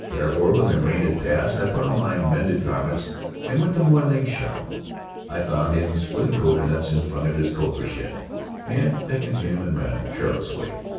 Therefore, when the rain had passed I put on my mended garments and went to Moy Ling's shop. I found him splitting coconuts in front of his copra shed, and beckoned to him in a careless way.